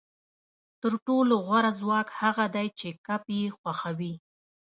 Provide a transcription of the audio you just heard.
تر ټولو غوره خوراک هغه دی چې کب یې خوښوي